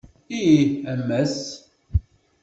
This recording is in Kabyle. Ih, a Mass!